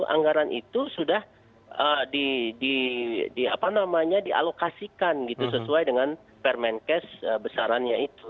anggaran itu sudah di apa namanya dialokasikan gitu sesuai dengan permen kes besarannya itu